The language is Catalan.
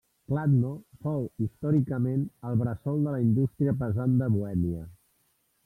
Kladno fou històricament el bressol de la indústria pesant de Bohèmia.